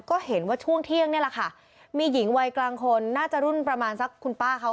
ก็เห็นว่าช่วงเที่ยงนี่แหละค่ะมีหญิงวัยกลางคนน่าจะรุ่นประมาณสักคุณป้าเขา